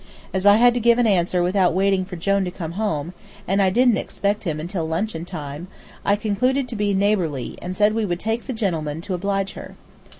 As I had to give an answer without waiting for Jone to come home, and I didn't expect him until luncheon time, I concluded to be neighborly, and said we would take the gentleman to oblige her.